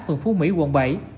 phường phú mỹ quận bảy